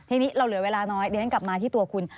ทีนี้เราเหลือเวลาน้อยเดี๋ยวฉันกลับมาที่ตัวคุณ